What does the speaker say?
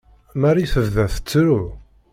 Marie tebda tettru.